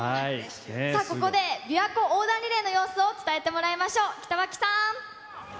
さあ、ここで、びわ湖横断リレーの様子を伝えてもらいましょう。